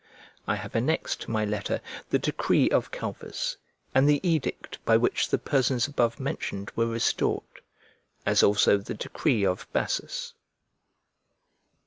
I have annexed to my letter the decree of Calvus, and the edict by which the persons above mentioned were restored, as also the decree of Bassus.